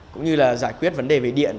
cũng như là giải quyết vấn đề về điện